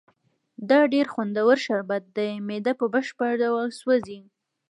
دا ډېر خوندور شربت دی، معده په بشپړ ډول سوځي.